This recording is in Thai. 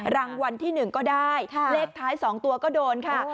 รางวัลที่๑ก็ได้เลขท้าย๒ตัวก็โดนค่ะ